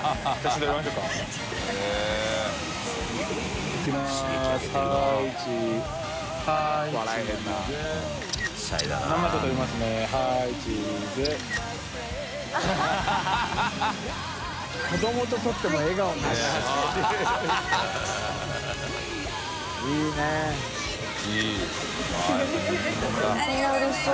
みんなうれしそう。